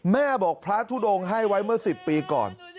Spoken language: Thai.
แม่บอกพระทุดงให้ไว้เมื่อ๑๐ปีก่อน